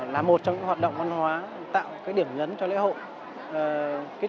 là một trong những hoạt động văn hóa tạo điểm nhấn cho lễ hội